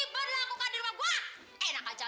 berlakukan di rumah gua